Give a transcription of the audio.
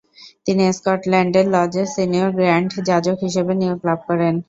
তিনি স্কটল্যান্ডের লজের senior grand যাজক হিসেবে নিয়োগ লাভ করেন।